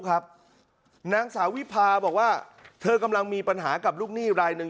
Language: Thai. นางสาววิพาบอกว่าเธอกำลังมีปัญหากับลูกหนี้รายหนึ่ง